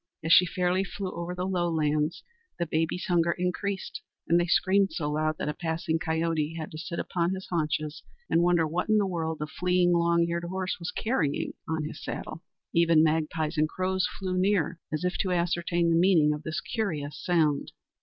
As she fairly flew over the lowlands, the babies' hunger increased and they screamed so loud that a passing coyote had to sit upon his haunches and wonder what in the world the fleeing long eared horse was carrying on his saddle. Even magpies and crows flew near as if to ascertain the meaning of this curious sound.